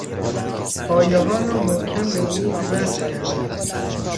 پایهها را محکم به میز وصل کردم.